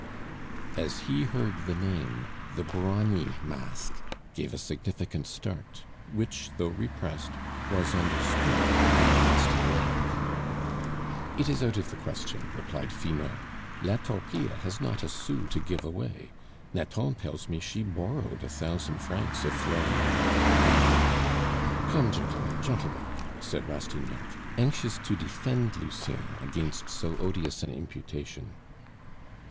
As he heard the name the brawny mask gave a significant start, which, though repressed, was understood by Rastignac. "It is out of the question," replied Finot; "La Torpille has not a sou to give away; Nathan tells me she borrowed a thousand francs of Florine." "Come, gentlemen, gentlemen!" said Rastignac, anxious to defend Lucien against so odious an imputation.